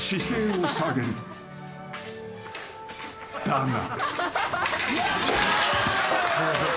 ［だが］